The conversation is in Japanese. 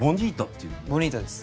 ボニータです。